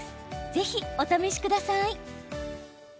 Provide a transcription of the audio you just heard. ぜひ、お試しください。